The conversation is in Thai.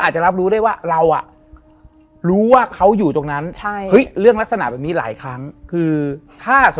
ใช่เข้าไปเยอะ